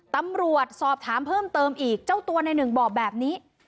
ตำรวจสอบถามเพิ่มเติมอีกเจ้าตัวในหนึ่งบอกแบบนี้